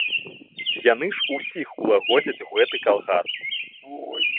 Яны ж усіх улагодзяць у гэты калгас.